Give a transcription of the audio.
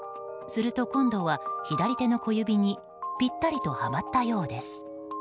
すると今度は左手の小指にぴったりとはまったようです。